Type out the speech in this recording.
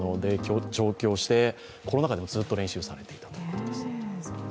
上京して、コロナ禍でもずっと練習されていたと。